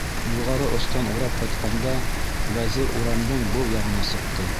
Юғары остан урап ҡайтҡанда, Вәзир урамдың был яғына сыҡты.